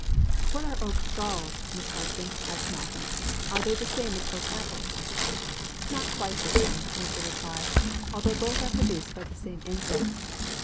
"What are oak galls, Miss Harson?" asked Malcolm. "Are they the same as oak apples?" "Not quite the same," was the reply, although both are produced by the same insect.